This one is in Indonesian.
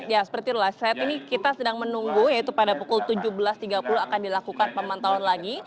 ya seperti itulah saat ini kita sedang menunggu yaitu pada pukul tujuh belas tiga puluh akan dilakukan pemantauan lagi